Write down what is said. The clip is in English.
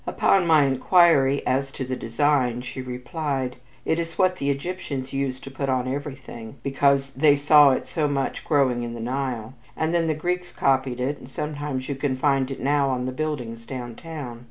Upon my inquiry as to the design, she replied: "It is what the Egyptians used to put on everything, because they saw it so much growing in the Nile; and then the Greeks copied it, and sometimes you can find it now on the buildings downtown."